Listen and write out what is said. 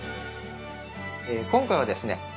今回はですね